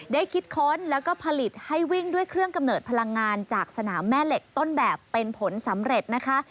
คิดค้นแล้วก็ผลิตให้วิ่งด้วยเครื่องกำเนิดพลังงานจากสนามแม่เหล็กต้นแบบเป็นผลสำเร็จนะคะ